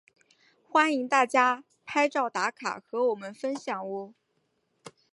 欢迎大家拍照打卡和我们分享喔！